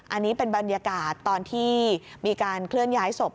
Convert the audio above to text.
อันนี้เป็นบรรยากาศตอนที่มีการเคลื่อนย้ายศพ